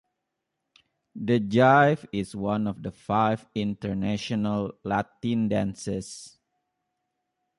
The jive is one of the five International Latin dances.